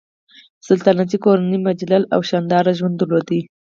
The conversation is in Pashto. سلطنتي کورنۍ مجلل او شانداره ژوند درلود.